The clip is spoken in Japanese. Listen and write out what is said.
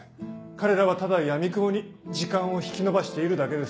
彼らはただやみくもに時間を引き延ばしているだけです。